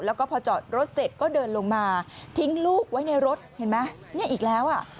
แล้วก็พอจอดรถเสร็จก็เดินลงมาทิ้งลูกไว้ในรถเห็นไหมเนี่ยอีกแล้วอ่ะ